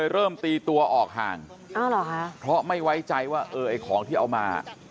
เริ่มตีตัวออกห่างเพราะไม่ไว้ใจว่าเออไอ้ของที่เอามา